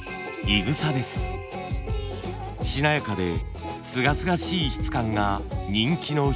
しなやかですがすがしい質感が人気の秘密。